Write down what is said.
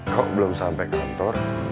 kok belum sampai kantor